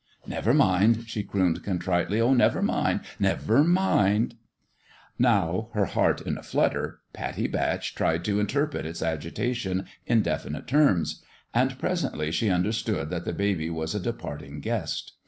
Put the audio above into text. " Never mind !" she crooned, contritely ;" oh, never mind never mind !" Now, her heart in a flutter, Pattie Batch tried to interpret its agitation in definite terms ; and presently she understood that the baby was a departing guest.